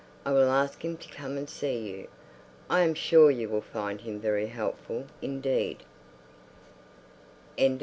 "I will ask him to come and see you. I am sure you will find him very helpful indeed."